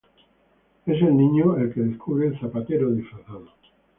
Es el niño el que descubre al zapatero disfrazado.